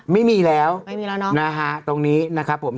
ไม่มีแล้วไม่มีแล้วเนอะนะฮะตรงนี้นะครับผม